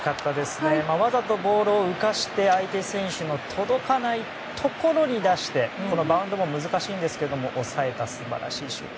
わざとボールを浮かせて相手選手の届かないところに出してバウンドも難しいんですが抑えた素晴らしいシュート。